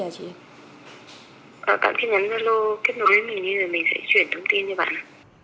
bạn cứ nhắn giao lô kết nối với mình đi rồi mình sẽ chuyển thông tin cho bạn ạ